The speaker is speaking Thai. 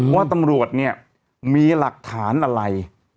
ว่าตำรวจเนี่ยมีหลักฐานอะไร